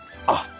あ！